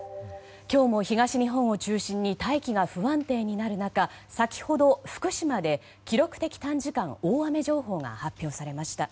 今日も東日本を中心に大気が不安定になる中先ほど、福島で記録的短時間大雨情報が発表されました。